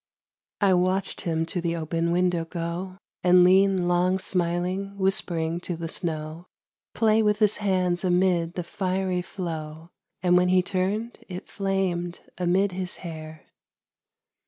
I watched him to the open window go, And lean long smiling, whispering to the snow, Play with his hands amid the fiery flow And when he turned it flamed amid his hair.